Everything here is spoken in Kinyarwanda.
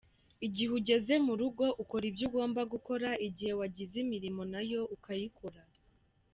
Igihe ugeze mu rugo ukora ibyo ugomba gukora, igihe wagize imirimo nayo ukayikora.